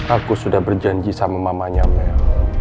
aku sudah berjanji sama mamanya mel